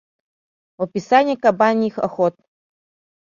Описание кабаньих охот...